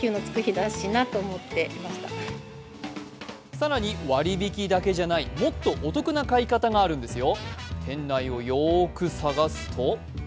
更に割り引きだけじゃないもっとお得な買い方があるんですよ。